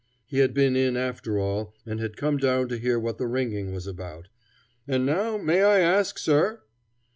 He had been in after all and had come down to hear what the ringing was about. "And now may I ask, sir